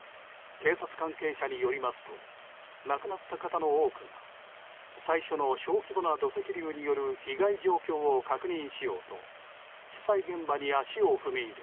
警察関係者によりますと亡くなった方の多くが最初の小規模な土石流による被害状況を確認しようと被災現場に足を踏み入れ